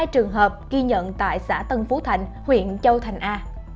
một mươi hai trường hợp ghi nhận tại xã tân phú thành huyện châu thành a